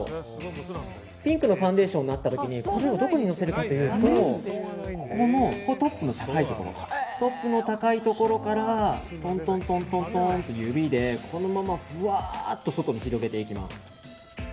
ピンクのファンデーションになった時にこれをどこに乗せるかというとここのトップの高いところからとんとんとんと指でこのままふわっと外に広げていきます。